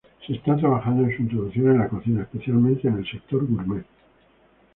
Se está trabajando en su introducción en la cocina, especialmente en sector gourmet.